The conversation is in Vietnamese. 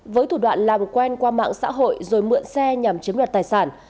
với thủ đoạn làm quen qua mạng xã hội rồi mượn xe nhằm chiếm đoạt tài sản